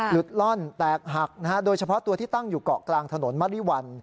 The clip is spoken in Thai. ล่อนแตกหักโดยเฉพาะตัวที่ตั้งอยู่เกาะกลางถนนมริวัล